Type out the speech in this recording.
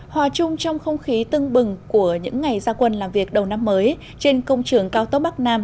hòa chung trong không khí tưng bừng của những ngày gia quân làm việc đầu năm mới trên công trường cao tốc bắc nam